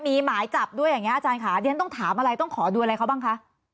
มีหมายจับด้วยอย่างนี้อาจารย์ค่ะเรียนต้องถามอะไรต้องขอดูอะไรเขาบ้างคะ